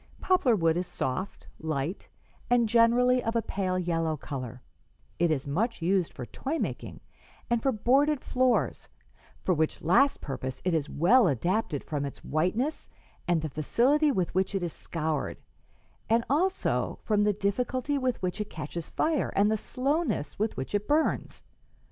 Poplar wood is soft, light and generally of a pale yellow color; it is much used for toy making and for boarded floors, 'for which last purpose it is well adapted from its whiteness and the facility with which it is scoured, and also from the difficulty with which it catches fire and the slowness with which it burns.